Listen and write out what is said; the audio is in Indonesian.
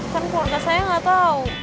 kan keluarga saya nggak tahu